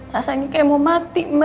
rasanya seperti mau mati ma